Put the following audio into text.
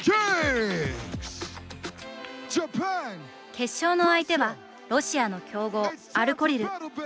決勝の相手はロシアの強豪アルコリル。